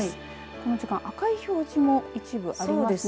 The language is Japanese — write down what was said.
この時間赤い表示も一部ありますね。